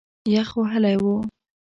یخ وهلی و.